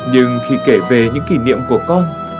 nhưng khi kể về những kỷ niệm của con